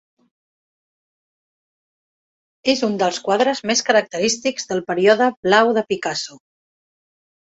És un dels quadres més característics del Període blau de Picasso.